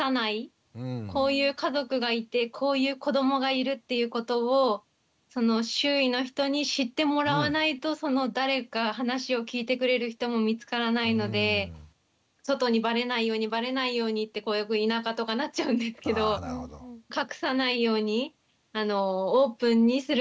こういう家族がいてこういう子どもがいるっていうことを周囲の人に知ってもらわないとその誰か話を聞いてくれる人も見つからないので外にバレないようにバレないようにって田舎とかなっちゃうんですけど隠さないようにオープンにすることが必要なのかなと感じました。